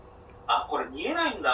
あっ、これ見えないんだ。